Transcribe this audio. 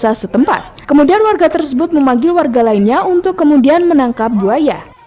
desa setempat kemudian warga tersebut memanggil warga lainnya untuk kemudian menangkap buaya